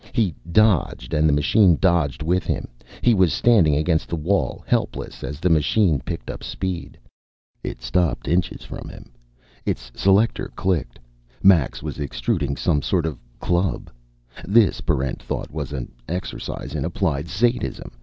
He dodged, and the machine dodged with him. He was standing against the wall, helpless, as the machine picked up speed. It stopped, inches from him. Its selector clicked. Max was extruding some sort of a club. This, Barrent thought, was an exercise in applied sadism.